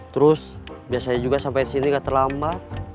terus biasanya juga sampai sini gak terlama